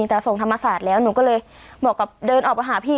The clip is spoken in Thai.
แต่ส่งธรรมศาสตร์แล้วหนูก็เลยบอกกับเดินออกมาหาพี่